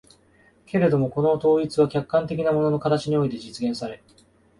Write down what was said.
けれどもこの統一は客観的な物の形において実現され、